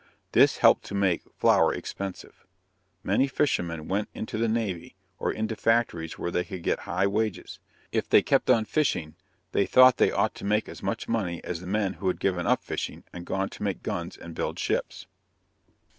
This helped to make flour expensive. Many fishermen went into the navy, or into factories where they could get high wages. If they kept on fishing, they thought they ought to make as much money as the men who had given up fishing and gone to make guns and build ships.